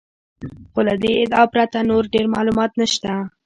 خو له دې ادعا پرته نور ډېر معلومات نشته.